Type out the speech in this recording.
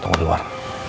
tunggu di luar